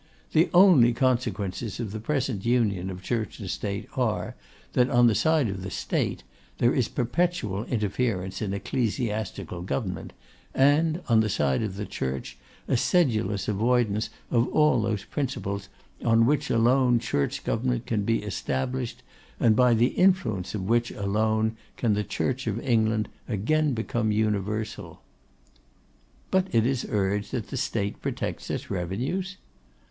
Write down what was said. The only consequences of the present union of Church and State are, that, on the side of the State, there is perpetual interference in ecclesiastical government, and on the side of the Church a sedulous avoidance of all those principles on which alone Church government can be established, and by the influence of which alone can the Church of England again become universal.' 'But it is urged that the State protects its revenues?